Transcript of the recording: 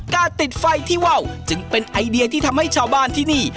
ติดไฟที่ว่าวจึงเป็นไอเดียที่ทำให้ชาวบ้านที่นี่